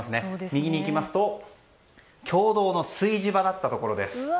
右に行きますと共同の炊事場だったところです。